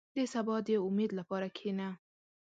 • د سبا د امید لپاره کښېنه.